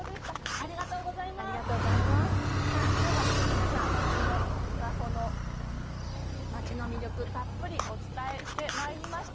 皆さん今日は伊香保の町の魅力たっぷりお伝えしてまいりました。